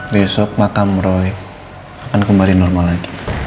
besok makam roy akan kembali normal lagi